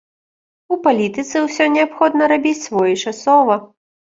У палітыцы ўсё неабходна рабіць своечасова.